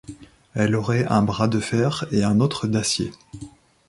Elle aurait un bras de fer et un autre d'acier.